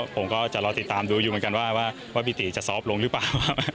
ผมก็จะรอติดตามดูอยู่เหมือนกันว่าบิติจะซอฟต์ลงหรือเปล่า